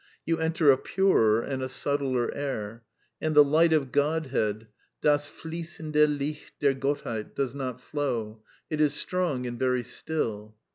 You enter a purer and a subtler air ; and the Light of Godhead, ^^ das Fliessende Licht der Gottheit," does not flow ; it is strong and very still.